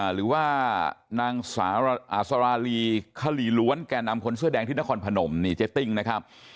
หรือว่านางสาวสาราลีคลีล้วนแก่นำคนเสื้อแดงที่นครพนมนี่เจ๊ติ้งนะครับ